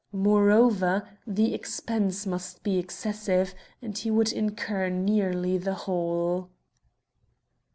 Moreover, the expense must be excessive, and he would incur nearly the whole.